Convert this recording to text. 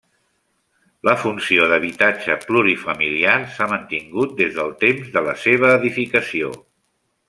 La funció d'habitatge plurifamiliar s'ha mantingut des del temps de la seva edificació.